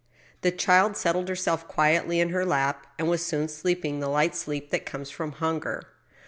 The child settled herself quietly in her lap, and was soon sleep ing the light sleep that comes from hunger.